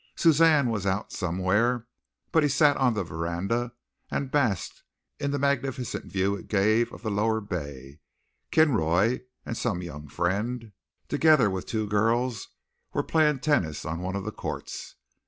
Suzanne was out somewhere, but he sat on the veranda and basked in the magnificent view it gave of the lower bay. Kinroy and some young friend, together with two girls, were playing tennis on one of the courts.